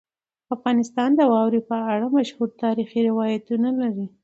افغانستان د واورې په اړه مشهور تاریخي روایتونه لري.